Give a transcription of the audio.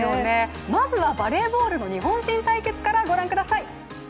まずはバレーボールの日本人対決からご覧ください。